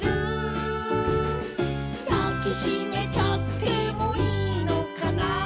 「だきしめちゃってもいいのかな」